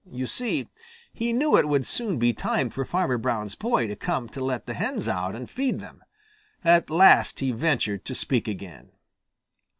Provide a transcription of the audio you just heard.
You see, he knew it would soon be time for Farmer Brown's boy to come to let the hens out and feed them. At last he ventured to speak again.